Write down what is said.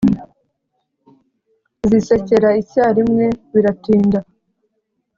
» zisekera icyarimwe biratinda.